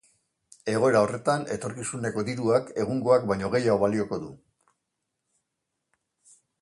Egoera horretan, etorkizuneko diruak egungoak baino gehiago balioko du.